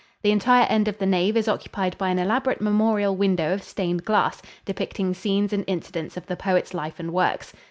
The entire end of the nave is occupied by an elaborate memorial window of stained glass, depicting scenes and incidents of the poet's life and works.